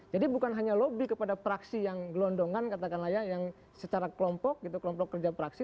jadi bukan hanya lobby kepada praksi yang gelondongan katakanlah ya yang secara kelompok gitu kelompok kerja praksi